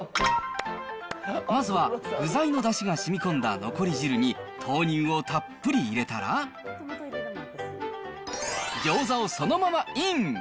まずは具材のだしがしみこんだ残り汁に豆乳をたっぷり入れたら、ギョーザをそのままイン。